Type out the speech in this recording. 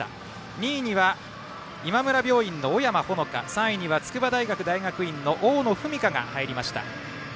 ２位には今村病院の尾山和華３位には筑波大学大学院の大野史佳が入りました。